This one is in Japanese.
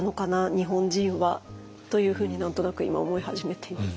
日本人はというふうに何となく今思い始めています。